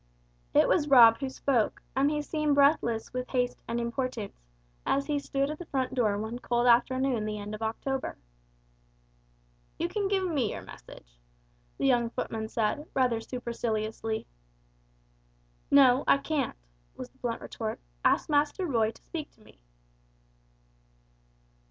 It was Rob who spoke, and he seemed breathless with haste and importance, as he stood at the front door one cold afternoon the end of October. "You can give me your message," the young footman said, rather superciliously. "No, I can't," was the blunt retort; "ask Master Roy to speak to me."